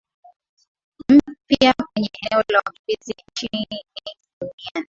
mpya kwenye eneo la wakimbizi nchini duniani